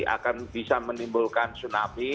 akan bisa menimbulkan tsunami